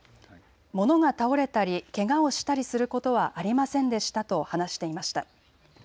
物が倒れたりけがをしたりすることはありませんでしたと話していました。